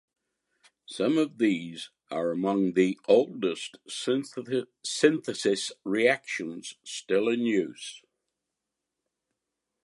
Some of these are among the oldest synthesis reactions still in use.